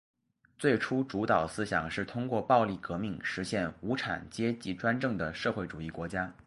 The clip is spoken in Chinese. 最初主导思想是通过暴力革命实现无产阶级专政的社会主义国家。